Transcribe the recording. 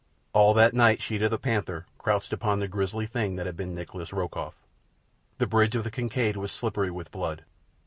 All that night Sheeta, the panther, crouched upon the grisly thing that had been Nikolas Rokoff. The bridge of the Kincaid was slippery with blood.